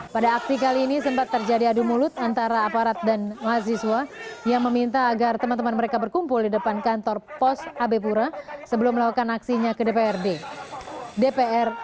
pada aksi kali ini sempat terjadi adu mulut antara aparat dan mahasiswa yang meminta agar teman teman mereka berkumpul di depan kantor pos abe pura sebelum melakukan aksinya ke dprd